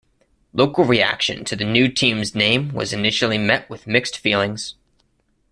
Local reaction to the new team's name was initially met with mixed feelings.